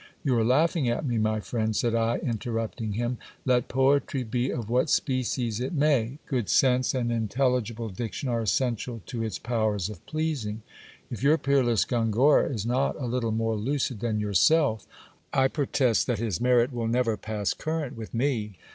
You are laughing at me, my friend, said I, interrupting ^et poetry be of what species it may, good sense and intelligible' diction ^sential to its powers of pleasing. If your peerless Gongora is not a little jie lucid than yourself, I protest that his merit will never pass current with , fne.